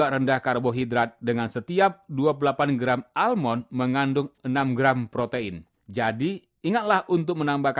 rapat dengan kasih dengan sabar telah menungguku